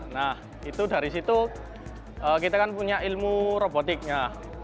nah itu dari situ kita kan punya ilmu robotiknya